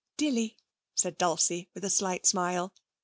'Dilly?' said Dulcie, with a slight smile.